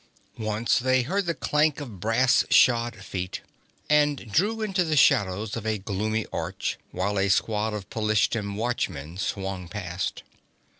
Once they heard the clank of brass shod feet, and drew into the shadows of a gloomy arch while a squad of Pelishtim watchmen swung past.